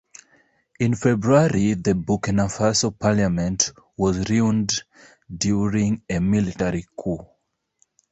In February the Burkina Faso parliament was ruined during a military coup.